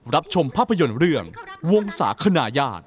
ชมภาพยนตร์เรื่องวงศาคณะญาติ